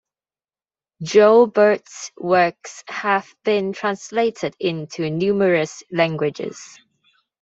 Joubert's works have been translated into numerous languages.